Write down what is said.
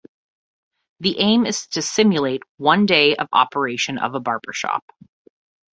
The aim is to simulate one day of operation of a barber shop.